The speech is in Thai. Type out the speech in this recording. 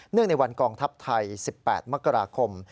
ในวันกองทัพไทย๑๘มกราคม